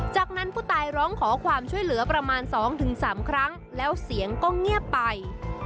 จากนั้นผู้ตายร้องขอความช่วยเหลือประมาณ๒๓ครั้งแล้วเสียงก็เงียบไป